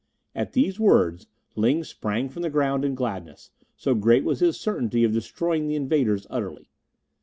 At these words Ling sprang from the ground in gladness, so great was his certainty of destroying the invaders utterly.